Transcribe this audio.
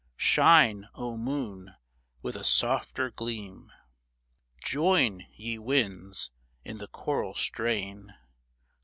Shine, O Moon, with a softer gleam ! Join, ye winds, in the choral strain